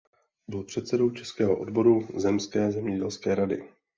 Byl předsedou českého odboru Zemské zemědělské rady.